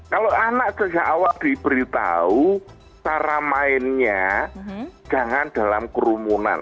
kalau anak sejak awal diberitahu cara mainnya jangan dalam kerumunan